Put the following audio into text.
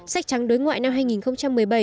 sách trắng đối ngoại năm hai nghìn một mươi bảy